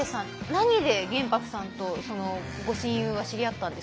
何で玄白さんとそのご親友は知り合ったんですか？